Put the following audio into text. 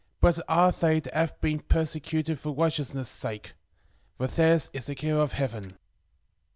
Blessed are they that are persecuted for righteousness' sake: for theirs is the kingdom of heaven.